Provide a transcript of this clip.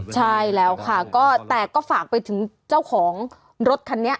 ใช่แล้วค่ะก็แต่ก็ฝากไปถึงเจ้าของรถคันนี้